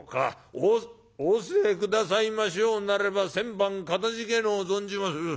おおお教え下さいましょうなれば千万かたじけのう存じまする』。